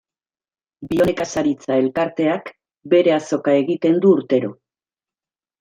Bionekazaritza elkarteak bere azoka egiten du urtero.